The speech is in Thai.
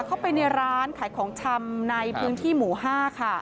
เข้าไปในร้านขายของชำในพื้นที่หมู่๕ค่ะ